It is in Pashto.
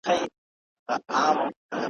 داسي آثار پرېښودل ,